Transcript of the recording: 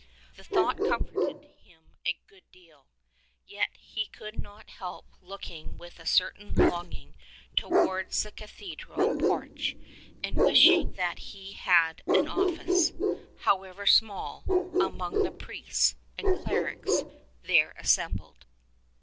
The thought comforted him a good deal ; yet he could not help looking with a certain longing towards the cathedral porch, and wishing that he had an office, however small, among the priests and clerics there assembled.